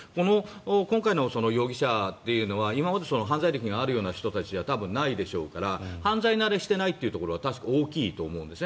今回の容疑者というのは今まで犯罪歴があるような人たちでは多分ないでしょうから犯罪慣れしていないというところは大きいと思うんです。